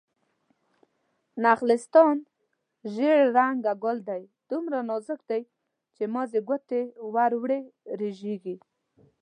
نخلستان: زيړ رنګه ګل دی، دومره نازک دی چې مازې ګوتې ور وړې رژيږي